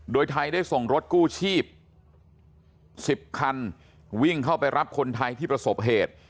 โดยไทยได้ส่งรถกู้ชีพ๑๐คันวิ่งเข้าไปรับคนไทยที่ประสบเหตุ